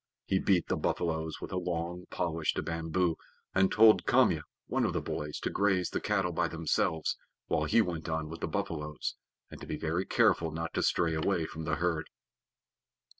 He beat the buffaloes with a long, polished bamboo, and told Kamya, one of the boys, to graze the cattle by themselves, while he went on with the buffaloes, and to be very careful not to stray away from the herd.